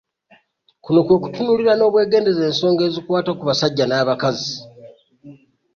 Kuno kwe kutunuulira n’obwegendereza ensonga ezikwata ku basajja n’abakazi.